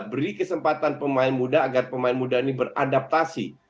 beri kesempatan pemain muda agar pemain muda ini beradaptasi